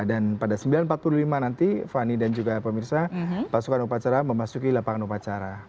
dan pada sembilan empat puluh lima nanti fani dan juga pemirsa pasukan upacara memasuki lapangan upacara